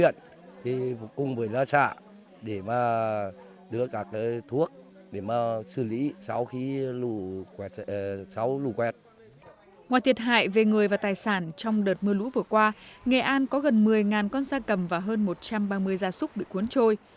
ngoài thiệt hại về người và tài sản trong đợt mưa lũ vừa qua nghệ an có gần một mươi con da cầm và hơn một trăm ba mươi gia súc bị cuốn trôi